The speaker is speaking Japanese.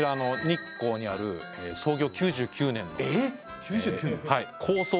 日光にある創業９９年の構想